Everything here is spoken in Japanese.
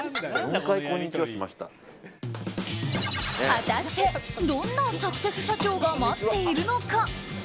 果たして、どんなサクセス社長が待っているのか。